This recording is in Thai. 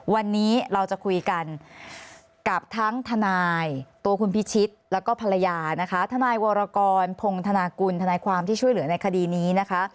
วันนี้เราจะคุยกันกับทั้งทนายตัวคุณพิชิตแล้วก็ภรรยานะคะทนายวรกรพงธนากุลทนายความที่ช่วยเหลือในคดีนี้นะคะ